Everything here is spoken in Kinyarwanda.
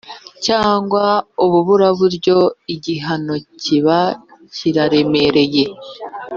Cyangwa ububuraburyo igihano kiba kiremereye